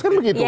kan begitu kan